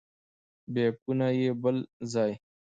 بیکونه یې بل ځای.